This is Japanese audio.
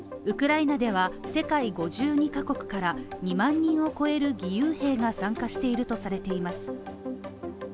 ウクライナでは世界５２カ国から２万人を超える義勇兵が参加しているとされています。